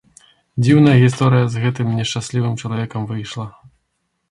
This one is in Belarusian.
Дзіўная гісторыя з гэтым нешчаслівым чалавекам выйшла.